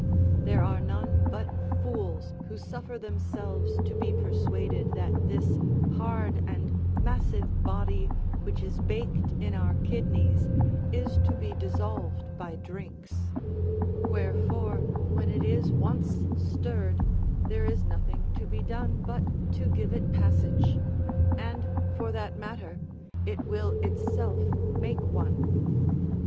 There are none but fools who suffer themselves to be persuaded that this hard and massive body which is baked in our kidneys is to be dissolved by drinks; wherefore, when it is once stirred, there is nothing to be done but to give it passage; and, for that matter, it will itself make one.